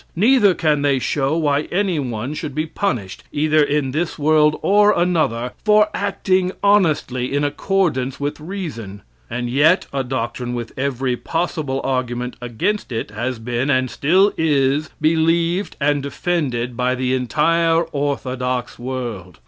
Neither can they show why anyone should be punished, either in this world or another, for acting honestly in accordance with reason; and yet a doctrine with every possible argument against it has been, and still is, believed and defended by the entire orthodox world.